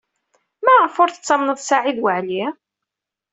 Maɣef ur tettamneḍ Saɛid Waɛli?